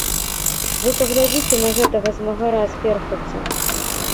Вы паглядзіце на гэтага змагара з перхаццю.